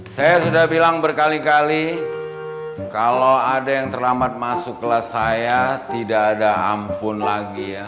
saya sudah bilang berkali kali kalau ada yang terlambat masuk kelas saya tidak ada ampun lagi ya